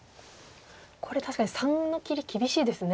これ確かに③の切り厳しいですね。